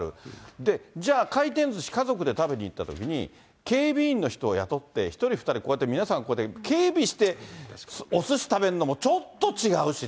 で、じゃあ、回転ずし、家族で食べにいったときに、警備員の人を雇って、１人、２人、皆さんこうやって、警備しておすし食べるのもちょっと違うしね。